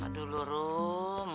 aduh lu rum